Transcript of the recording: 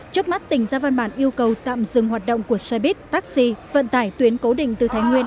trước mắt tỉnh ra văn bản yêu cầu tạm dừng hoạt động của xe buýt taxi vận tải tuyến cố định từ thái nguyên